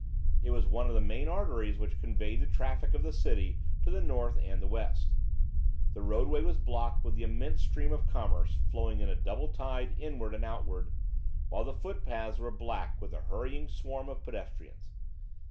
It was one of the main arteries which conveyed the traffic of the City to the north and west. The roadway was blocked with the immense stream of commerce flowing in a double tide inward and outward, while the footpaths were black with the hurrying swarm of pedestrians.